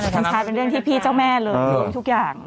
กัญชาเป็นเรื่องที่พี่เจ้าแม่เลยทุกอย่าง